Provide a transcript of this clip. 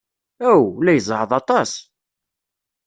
Aw, la izeɛɛeḍ aṭas!